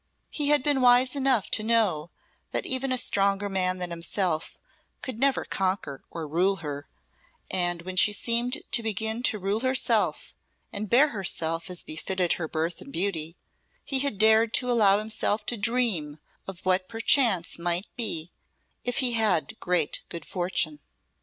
He had been wise enough to know that even a stronger man than himself could never conquer or rule her; and when she seemed to begin to rule herself and bear herself as befitted her birth and beauty, he had dared to allow himself to dream of what perchance might be if he had great good fortune.